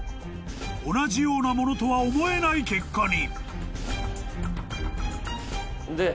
［同じようなものとは思えない結果に］